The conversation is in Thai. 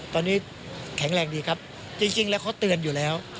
ตอนนี้แข็งแรงดีครับจริงแล้วเขาเตือนอยู่แล้ว